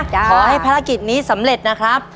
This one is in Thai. ขอให้ภารกิจนี้สำเร็จนะครับ